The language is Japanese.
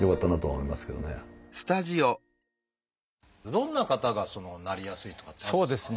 どんな方がなりやすいとかっていうのはあるんですか？